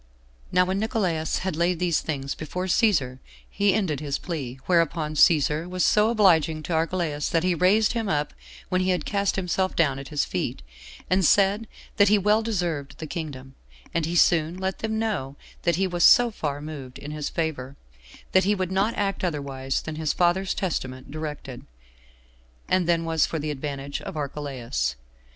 7. Now when Nicolaus had laid these things before Cæsar, he ended his plea; whereupon Cæsar was so obliging to Archelaus, that he raised him up when he had cast himself down at his feet, and said that he well deserved the kingdom; and he soon let them know that he was so far moved in his favor, that he would not act otherwise than his father's testament directed, and than was for the advantage of Archelaus.